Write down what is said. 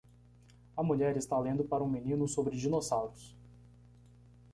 A mulher está lendo para um menino sobre dinossauros.